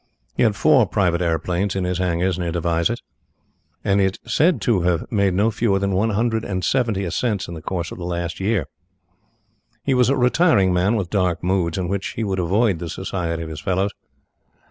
He had four private aeroplanes in his hangars near Devizes, and is said to have made no fewer than one hundred and seventy ascents in the course of last year. He was a retiring man with dark moods, in which he would avoid the society of his fellows.